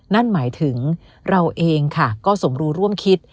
นั่นหมายถึงเราเองค่ะก็สมรู้ร่วมคิด